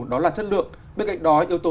đó là chất lượng bên cạnh đó yếu tố